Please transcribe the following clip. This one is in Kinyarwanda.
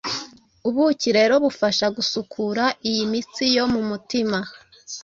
ubuki rero bufasha gusukura iyi mitsi yo mu mutima